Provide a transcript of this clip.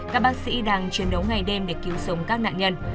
các bác sĩ đang chiến đấu ngày đêm để cứu sống các nạn nhân